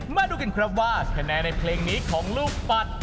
มาดูกันครับว่าคะแนนในเพลงนี้ของลูกปัด